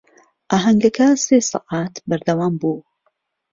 ئاهەنگەکە سێ سەعات بەردەوام بوو.